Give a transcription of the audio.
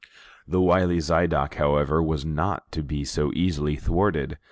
The wily Zidoc, however, was not to be so easily thwarted.